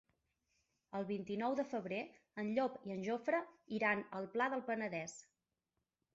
El vint-i-nou de febrer en Llop i en Jofre iran al Pla del Penedès.